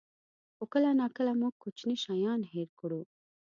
خو کله ناکله موږ کوچني شیان هېر کړو.